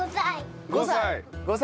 ５歳。